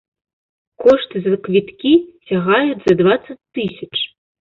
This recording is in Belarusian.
Кошты за квіткі сягаюць за дваццаць тысяч.